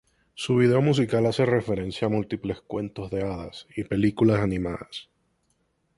Su video musical hace referencia a múltiples cuentos de hadas y películas animadas.